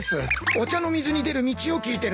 お茶の水に出る道を聞いてるんです。